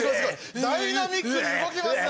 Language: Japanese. ダイナミックに動きますね。